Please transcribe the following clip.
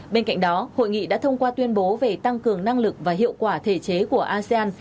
bên cạnh đó hội nghị đã thông qua tuyên bố về tăng cường năng lực và hiệu quả thể chế của asean